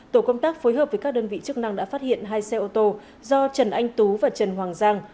tổ công tác phối hợp với các đơn vị chức năng đã phát hiện hai xe ô tô do trần anh tú và trần hoàng giang